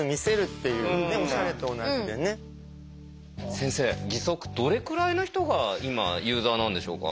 先生義足どれくらいの人が今ユーザーなんでしょうか？